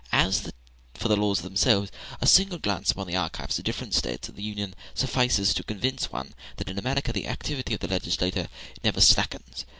As for the laws themselves, a single glance upon the archives of the different States of the Union suffices to convince one that in America the activity of the legislator never slackens.